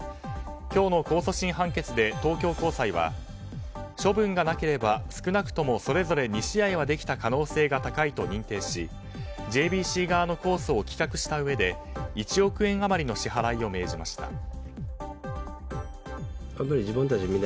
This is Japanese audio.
今日の控訴審判決で東京高裁は、処分がなければ少なくともそれぞれ２試合はできた可能性が高いと認定しＪＢＣ側の公訴を棄却したうえで１億円余りの支払いを命じました。